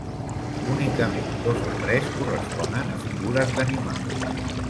Únicament dos o tres corresponen a figures d'animals.